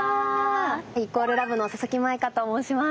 ＝ＬＯＶＥの佐々木舞香と申します。